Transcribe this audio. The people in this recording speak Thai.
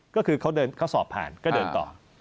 ก็คือเขาสอบผ่านก็เดินต่อ